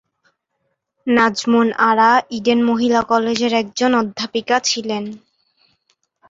নাজমুন আরা ইডেন মহিলা কলেজের একজন অধ্যাপিকা ছিলেন।